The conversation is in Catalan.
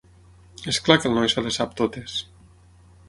És clar que el noi se les sap totes.